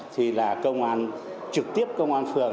thì là công an trực tiếp công an phường